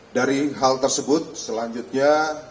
dari hal tersebut selanjutnya